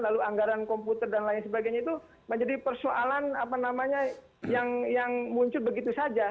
lalu anggaran komputer dan lain sebagainya itu menjadi persoalan apa namanya yang muncul begitu saja